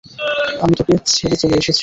আমি তাকে ছেড়ে চলে এসেছি।